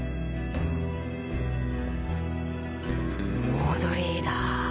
オードリーだ。